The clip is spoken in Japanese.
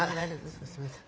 すいません。